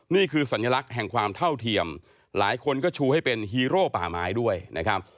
นี่คือสัญลักษณ์แห่งความเท่าเทียมหลายคนก็ชูให้เป็นฮีโร่ป่าไม้ด้วยนะครับ